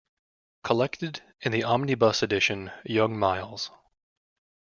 Collected in the omnibus edition "Young Miles".